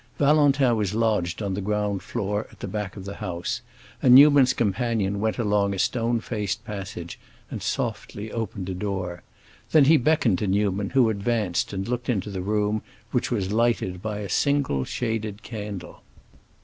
Valentin was lodged on the ground floor at the back of the house, and Newman's companion went along a stone faced passage and softly opened a door. Then he beckoned to Newman, who advanced and looked into the room, which was lighted by a single shaded candle.